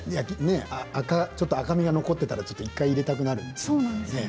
赤みが残ったら１回入れたくなりますよね。